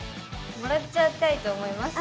もらっちゃいたいと思います。